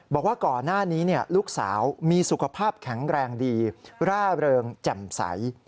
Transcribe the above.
บอกว่าก่อนหน้านี้ลูกสาวมีสุขภาพแข็งแรงดีร่าเริงแจ่มใส